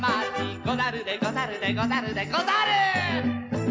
「ござるでござるでござるでござる」